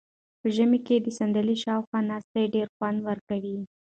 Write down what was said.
په ژمي کې د صندلۍ شاوخوا ناسته ډېر خوند ورکوي.